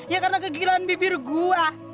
ya karena kegilaan bibir gue